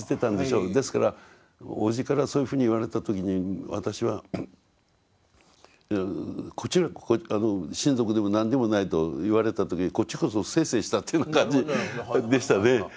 ですからおじからそういうふうに言われた時に私は親族でも何でもないと言われた時こっちこそ清々したという感じでしたね。